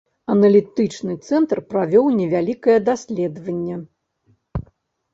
Аналітычны цэнтр правёў невялікае даследаванне.